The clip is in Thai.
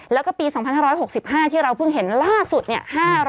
แล้วก็ปี๒๕๖๕ที่เราเพิ่งเห็นล่าสุดเนี่ย